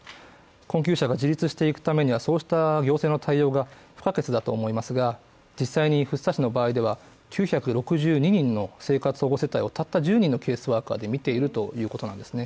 困窮者が自立していくためにはぞういった制度が不可欠だと思いますが、実際に福生市の場合では、９６２人の生活保護世帯をたった１０人のケースワーカーで見ているということなんですね。